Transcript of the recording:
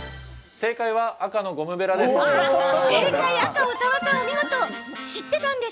正解は赤のゴムべらです。